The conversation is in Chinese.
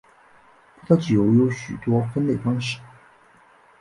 葡萄酒有许多分类方式。